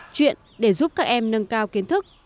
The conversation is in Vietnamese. chuyện để giúp các em nâng cao kiến thức